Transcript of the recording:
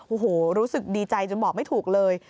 โอ้โหรู้สึกดีใจจนบอกไม่ถูกเลย